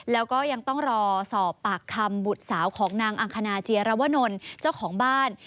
แล้วก็ยังต้องรอสอบปากคำบุตรสาวของนางอังคณาเจียรวนลเจ้าของบ้าน